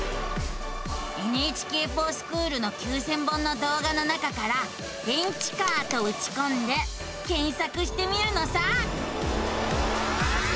「ＮＨＫｆｏｒＳｃｈｏｏｌ」の９，０００本の動画の中から「電池カー」とうちこんで検索してみるのさ。